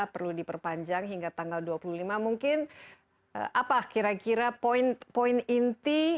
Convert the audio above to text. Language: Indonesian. perlu diperpanjang hingga tanggal dua puluh lima mungkin apa kira kira poin poin inti